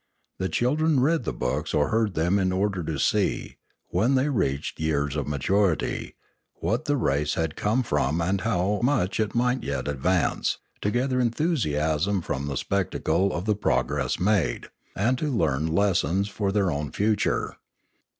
The children read the books or heard them in order to see, when they reached years of maturity, what the race had come from and how much it might yet advance, to gather enthusiasm from the spectacle of the progress made, 43° Limanora and to learn lessons for their own future.